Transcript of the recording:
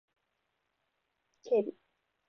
警備